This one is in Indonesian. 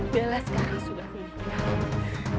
bella sekarang sudah berubah